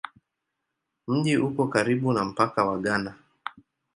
Mji uko karibu na mpaka wa Ghana.